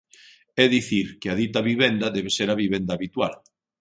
É dicir, que a dita vivenda debe ser a vivenda habitual.